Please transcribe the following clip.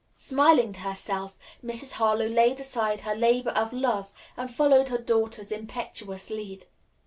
Smiling to herself, Mrs. Harlowe laid aside her labor of love and followed her daughter's impetuous lead.